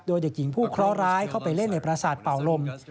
โดยเด็กหญิงผู้เคราะหร้ายเข้าไปเล่นในประสาทเป่าลม